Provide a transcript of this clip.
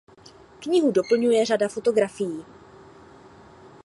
Knihu doplňuje řada fotografií.